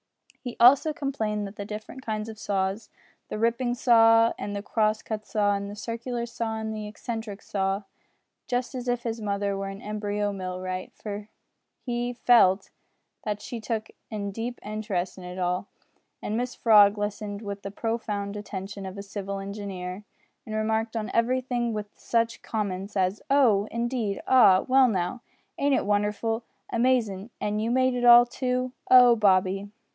He also explained the different kinds of saws the ripping saw, and the cross cut saw, and the circular saw, and the eccentric saw just as if his mother were an embryo mill wright, for he felt that she took a deep interest in it all, and Mrs Frog listened with the profound attention of a civil engineer, and remarked on everything with such comments as oh! indeed! ah! well now! ain't it wonderful? amazin'! an' you made it all too! Oh! Bobby!